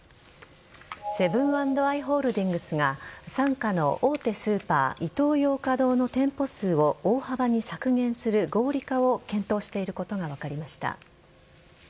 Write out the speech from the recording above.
セブン＆アイ・ホールディングスが傘下の大手スーパーイトーヨーカ堂の店舗数を大幅に削減する合理化を検討していることが分かりました。